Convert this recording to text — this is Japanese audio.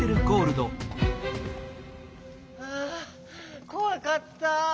ああこわかった。